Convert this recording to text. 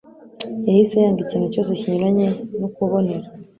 yahise yanga ikintu cyose kinyuranye n'ukubonera.